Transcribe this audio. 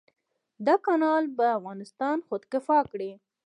دا کانال به افغانستان خودکفا کړي.